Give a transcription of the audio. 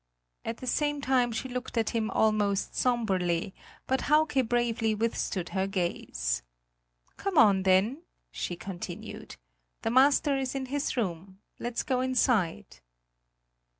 At the same time she looked at him almost sombrely, but Hauke bravely withstood her gaze. "Come on, then," she continued. "The master is in his room; let's go inside."